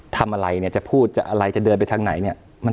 ทำอะไรจะพูดจะเดินไปทางไหน